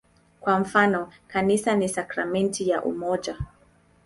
Kwa mfano, "Kanisa ni sakramenti ya umoja".